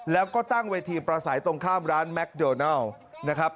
แล้วก็ตั้งเวทีประสัยตรงข้ามร้านแมคโดนัลนะครับ